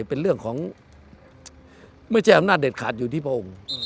เป็นเรื่องของไม่ใช่อำนาจเด็ดขาดอยู่ที่พระองค์